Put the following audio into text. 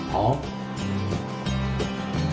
หมอม